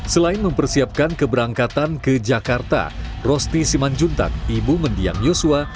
selain mempersiapkan keberangkatan ke jakarta rosti simanjuntak ibu mendiang yosua